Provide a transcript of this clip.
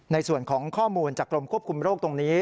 ในส่วนของข้อมูลจากกรมควบคุมโรคตรงนี้